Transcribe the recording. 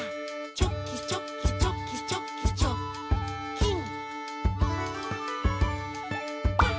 「チョキチョキチョキチョキチョッキン！」